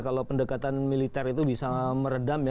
kalau pendekatan militer itu bisa meredam ya